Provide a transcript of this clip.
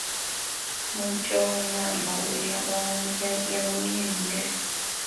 Muggya wamaama we yamummye emmere.